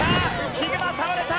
ヒグマ倒れた！